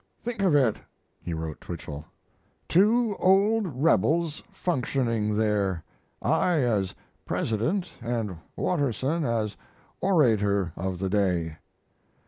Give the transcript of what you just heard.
"Think of it!" he wrote Twichell. "Two old rebels functioning there: I as president and Watterson as orator of the day!